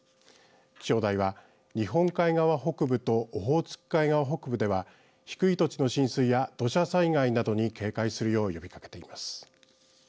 気象台は、日本海側北部とオホーツク海側北部では低い土地の浸水や土砂災害などに警戒するよう呼びかけています。